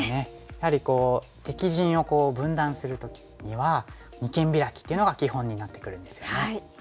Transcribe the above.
やはり敵陣を分断する時には二間ビラキっていうのが基本になってくるんですよね。